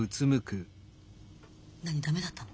何駄目だったの？